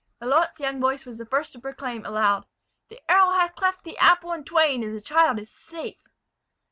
Lalotte's young voice was the first to proclaim, aloud, "The arrow hath cleft the apple in twain! and the child is safe."